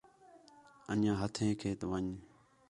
انڄیاں ہتھیک ہٹ ون٘ڄ